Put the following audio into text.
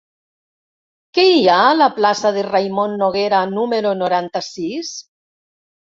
Què hi ha a la plaça de Raimon Noguera número noranta-sis?